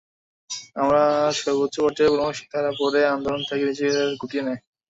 আবার সর্বোচ্চ পর্যায়ের পরামর্শেই তারা পরে আন্দোলন থেকে নিজেদের গুটিয়ে নেয়।